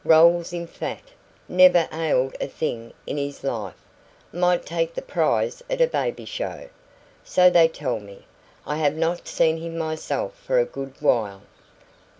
Rolls in fat never ailed a thing in his life might take the prize at a baby show. So they tell me. I have not seen him myself for a good while."